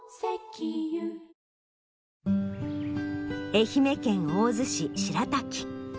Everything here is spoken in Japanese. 愛媛県大洲市白滝。